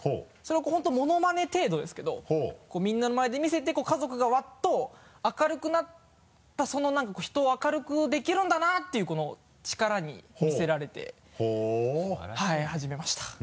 それを本当ものまね程度ですけどみんなの前で見せてこう家族がわっと明るくなったその何か人を明るくできるんだなっていう力にみせられて始めました。